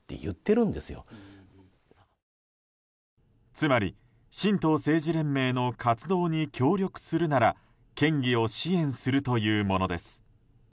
つまり、神道政治連盟の活動に協力するなら県議を支援するというものです。